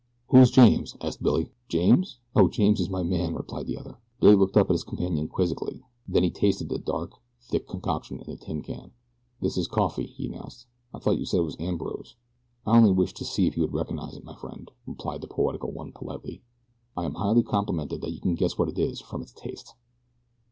"Who's James?" asked Billy. "James? Oh, James is my man," replied the other. Billy looked up at his companion quizzically, then he tasted the dark, thick concoction in the tin can. "This is coffee," he announced. "I thought you said it was ambrose." "I only wished to see if you would recognize it, my friend," replied the poetical one politely. "I am highly complimented that you can guess what it is from its taste."